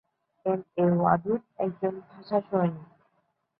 M A Wadud একজন ভাষা সৈনিক।